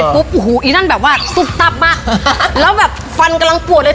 เสร็จปุ๊บอูหูอีนั่นแบบว่าตุ๊บตับมาแล้วแบบฟันกำลังปวดเลย